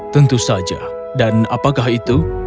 tentu saja dan apakah itu